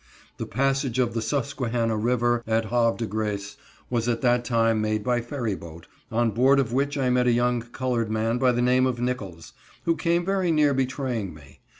The passage of the Susquehanna River at Havre de Grace was at that time made by ferry boat, on board of which I met a young colored man by the name of Nichols, who came very near betraying me.